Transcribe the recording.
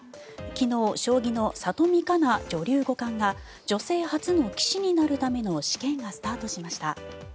昨日、将棋の里見香奈女流五冠女性初の棋士になるための試験がスタートしました。